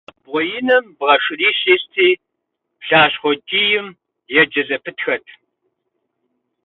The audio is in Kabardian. Абгъуэ иным бгъэ шырищ исти, блащхъуэ кӀийм еджэ зэпытхэт.